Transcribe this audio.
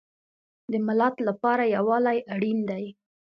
د ملت لپاره یووالی اړین دی